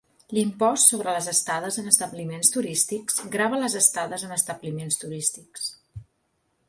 L'Impost sobre les estades en establiments turístics grava les estades en establiments turístics.